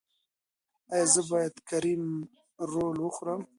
ایا زه باید کریم رول وخورم؟